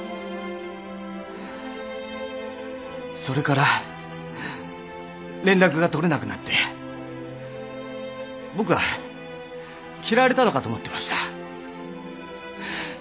それから連絡が取れなくなって僕は嫌われたのかと思ってました。